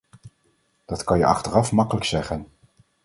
Dat kan je achteraf makkelijk zeggen.